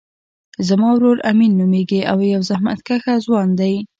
زما ورور امین نومیږی او یو زحمت کښه ځوان دی